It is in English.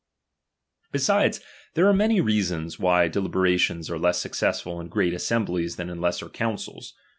Besides, there are many reasons, why delibe rations are less successful in great assemblies than '■ in lesser councils.